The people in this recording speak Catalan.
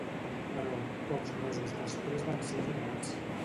Però, pocs mesos després van ser alliberats.